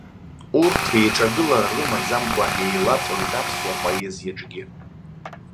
Урҭ еиҿагылара рымаӡамкәа еилаҵәоит аԥсуа поезиаҿгьы.